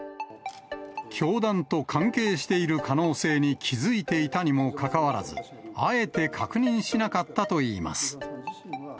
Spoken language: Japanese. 教団と関係している可能性に気付いていたにもかかわらず、あえて確認しなかったといいます。